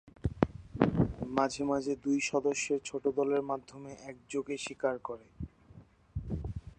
মাঝে মাঝে দুই সদস্যের ছোট দলের মাধ্যমে একযোগে শিকার করে।